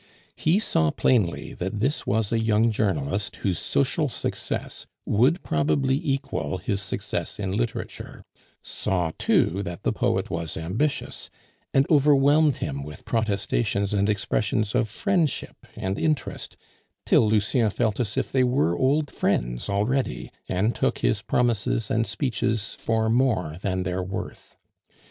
He saw plainly that this was a young journalist whose social success would probably equal his success in literature; saw, too, that the poet was ambitious, and overwhelmed him with protestations and expressions of friendship and interest, till Lucien felt as if they were old friends already, and took his promises and speeches for more than their worth.